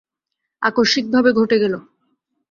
আকস্মিকভাবে ঘটে গেল।